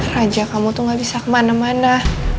raja kamu tuh gak bisa kemana mana